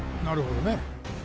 なるほどね